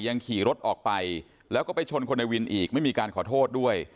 ยังขี่รถออกไปแล้วก็ไปชนคนในวินอีกไม่มีการขอโทษด้วย